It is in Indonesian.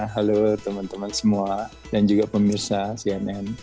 halo teman teman semua dan juga pemirsa cnn